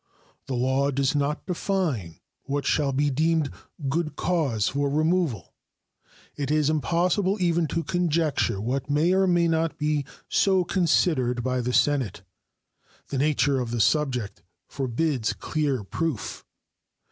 The law does not define what shall be deemed good cause for removal. It is impossible even to conjecture what may or may not be so considered by the Senate. The nature of the subject forbids clear proof.